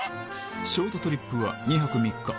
ショートトリップは２泊３日